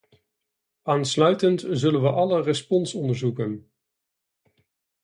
Aansluitend zullen we alle respons onderzoeken.